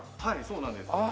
はいそうなんです。